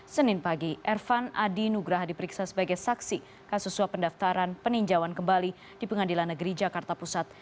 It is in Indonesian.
senin pagi ervan adi nugraha diperiksa sebagai saksi kasus suap pendaftaran peninjauan kembali di pengadilan negeri jakarta pusat